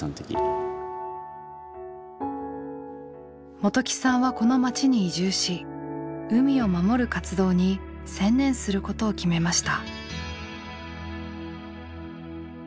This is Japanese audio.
元起さんはこの町に移住し海を守る活動に専念することを決めました。